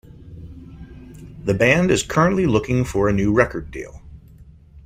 The band is currently looking for a new record deal.